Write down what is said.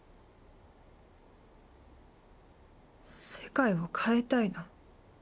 世界を変えたいの。